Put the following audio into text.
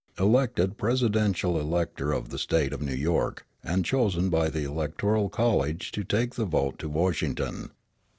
] Elected presidential elector of the State of New York, and chosen by the electoral college to take the vote to Washington.